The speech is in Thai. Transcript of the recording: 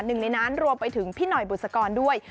หนึ่งในนั้นรวมไปถึงพี่หน่อยบุษกรด้วย